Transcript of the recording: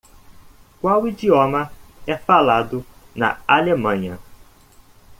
Qual idioma é falado na Alemanha?